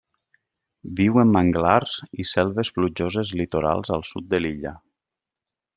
Viu en manglars i selves plujoses litorals al sud de l'illa.